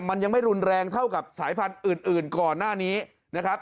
มันยังไม่รุนแรงเท่ากับสายพันธุ์อื่นก่อนหน้านี้นะครับ